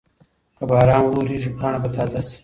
که باران وورېږي پاڼه به تازه شي.